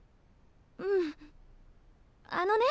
うんあのね